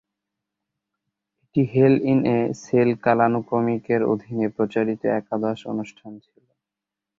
এটি Hell in a Cell কালানুক্রমিকের অধীনে প্রচারিত একাদশ অনুষ্ঠান ছিল।